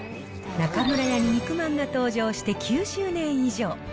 中村屋に肉まんが登場して９０年以上。